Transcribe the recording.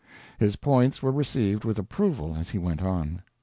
His points were received with approval as he went on.